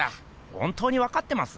本当にわかってます？